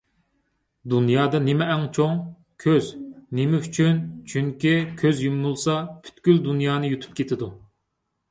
_ دۇنيادا نېمە ئەڭ چوڭ؟ _ كۆز. _ نېمە ئۈچۈن؟ _ چۈنكى كۆز يۇمۇلسا، پۈتكۈل دۇنيانى يۇتۇپ كېتىدۇ